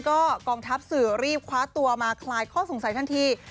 ก็กองทัพสื่อรีบคว้าตัวมาคลายข้อสงสัยทันที